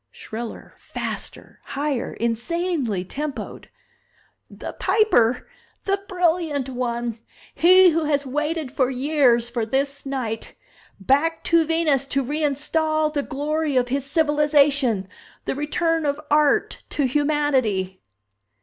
Shriller, faster, higher, insanely tempoed. "The Piper The Brilliant One He who has waited for years for this night. Back to Venus to reinstall the glory of his civilization! The return of Art to humanity!"